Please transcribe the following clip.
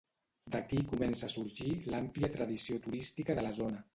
D'aquí comença a sorgir l'àmplia tradició turística de la zona.